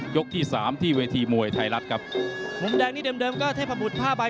เดี๋ยวดูครับโดนแข่งหนักของเพิ่งหลวงไป